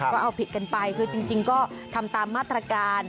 ก็เอาผิดกันไปคือจริงก็ทำตามมาตรการ